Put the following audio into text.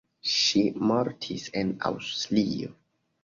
Ŝi mortis en Aŭstrio.